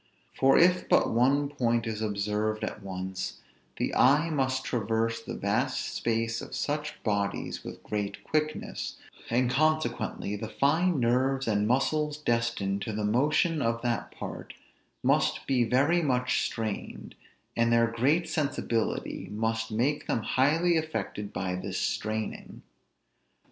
For if but one point is observed at once, the eye must traverse the vast space of such bodies with great quickness, and consequently the fine nerves and muscles destined to the motion of that part must be very much strained; and their great sensibility must make them highly affected by this straining.